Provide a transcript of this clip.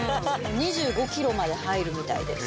２５ｋｇまで入るみたいです。